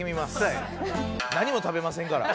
何も食べませんから。